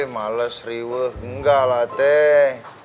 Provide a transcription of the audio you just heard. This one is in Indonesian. males riweh enggak lah teh